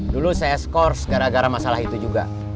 dulu saya skors gara gara masalah itu juga